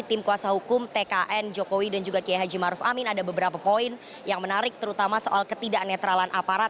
tim kuasa hukum tkn jokowi dan juga kiai haji maruf amin ada beberapa poin yang menarik terutama soal ketidak netralan aparat